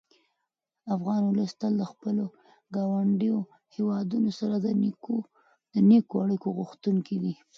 افغان ولس تل د خپلو ګاونډیو هېوادونو سره د نېکو اړیکو غوښتونکی دی.